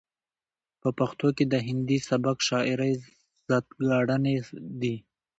په پښتو کې د هندي سبک شاعرۍ ځاتګړنې دي.